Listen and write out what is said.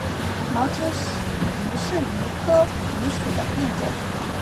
毛枝榆是榆科榆属的变种。